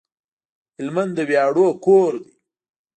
هلمند د وياړونو کور دی